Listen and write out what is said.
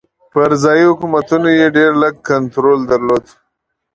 پر ځايي حکومتونو یې ډېر لږ کنټرول درلود.